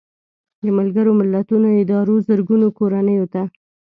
د ملګرو ملتونو ادارو زرګونو کورنیو ته